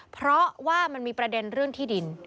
เพราะว่ามันมีประเด็นเรื่องที่ดิน